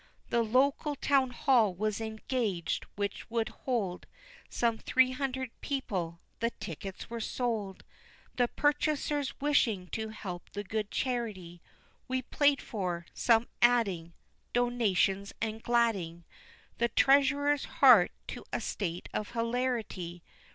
The local Town Hall was engaged, which would hold Some three hundred people the tickets were sold The purchasers wishing to help the good charity We played for; some adding Donations, and gladding The treasurer's heart to a state of hilarity.